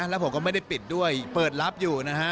แล้วผมก็ไม่ได้ปิดด้วยเปิดรับอยู่นะฮะ